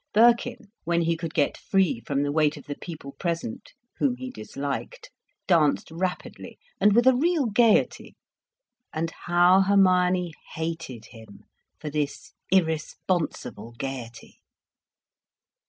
Birkin, when he could get free from the weight of the people present, whom he disliked, danced rapidly and with a real gaiety. And how Hermione hated him for this irresponsible gaiety.